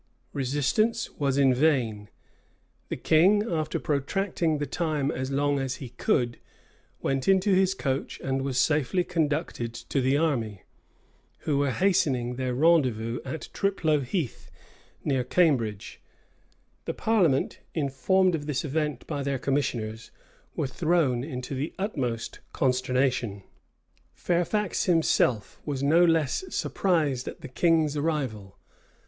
Resistance was vain. The king, after protracting the time as long as he could, went into his coach and was safely conducted to the army, who were hastening to their rendezvous at Triplo Heath, near Cambridge. The parliament, informed of this event by their commissioners, were thrown into the utmost consternation.[] * Whitlocke, p. 254. Warwick, p. 299. Rush. vol. vii. p. 614, 515. Clarendon, vol. v. p. 47. Fairfax himself was no less surprised at the king's arrival.